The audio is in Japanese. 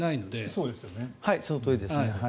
そのとおりですね。